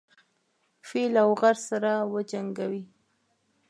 فيل او غر سره وجنګوي.